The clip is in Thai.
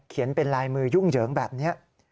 เป็นลายมือยุ่งเหยิงแบบนี้